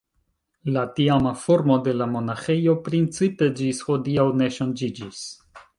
La tiama formo de la monaĥejo principe ĝis hodiaŭ ne ŝanĝiĝis.